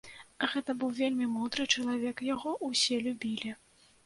Гэта быў вельмі мудры чалавек, яго ўсе любілі.